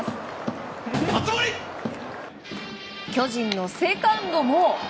巨人のセカンドも。